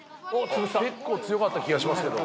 結構強かった気がしますけど。